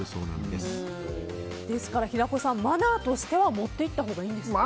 ですから平子さんマナーとしては持って行ったほうがいいんですって。